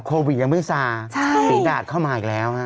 โควิดยังไม่ซาฝีดาดเข้ามาอีกแล้วฮะ